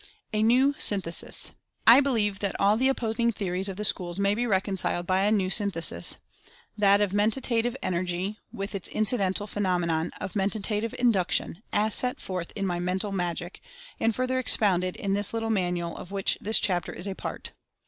A NEW SYNTHESIS. I believe that all the opposing theories of the schools may be reconciled by a new synthesis — that of Menta tive Energy with its incidental phenomena of Menta tive Induction, as set forth in my "Mental Magic," and further expounded in this little manual of which this chapter is a part.